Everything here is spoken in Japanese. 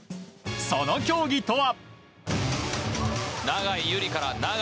その競技とは。